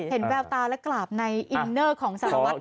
เห็นแววตาและกราบในอินเนอร์ของสารวัสดิ์